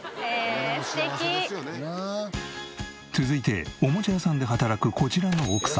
続いておもちゃ屋さんで働くこちらの奥様。